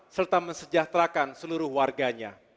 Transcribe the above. serta mensejahterakan seluruh warganya